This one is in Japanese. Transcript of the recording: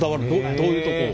どういうとこを？